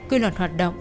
quy luật hoạt động